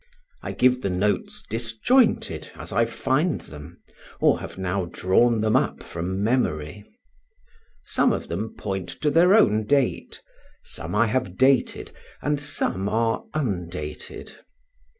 I give the notes disjointed as I find them, or have now drawn them up from memory. Some of them point to their own date, some I have dated, and some are undated.